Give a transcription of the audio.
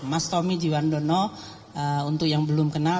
mas tommy jiwandono untuk yang belum kenal